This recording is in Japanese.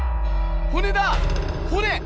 骨だ骨！